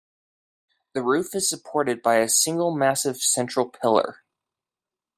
The roof is supported by a single massive central pillar.